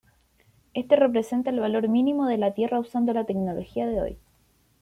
Esto representa el valor mínimo de la Tierra usando la tecnología de hoy.